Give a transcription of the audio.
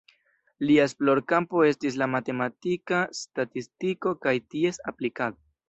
Lia esplorkampo estis la matematika statistiko kaj ties aplikado.